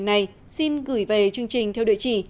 này xin gửi về chương trình theo địa chỉ